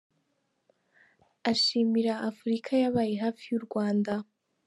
Ashimira Afurika yabaye hafi y’ u Rwanda.